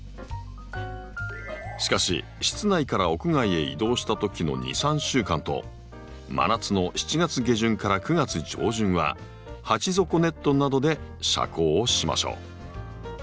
しかし室内から屋外へ移動したときの２３週間と真夏の７月下旬から９月上旬は鉢底ネットなどで遮光をしましょう。